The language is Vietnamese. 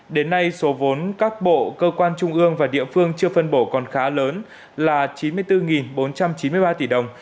đến nay số vốn các bộ cơ quan trung ương và địa phương chưa phân bổ còn khá lớn là chín mươi bốn bốn trăm chín mươi ba tỷ đồng